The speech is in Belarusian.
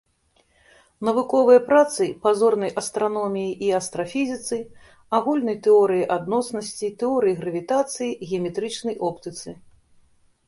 Навуковыя працы па зорнай астраноміі і астрафізіцы, агульнай тэорыі адноснасці, тэорыі гравітацыі, геаметрычнай оптыцы.